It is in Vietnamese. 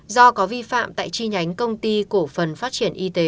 do có vi phạm tại chi nhánh công ty cổ phần phát triển y tế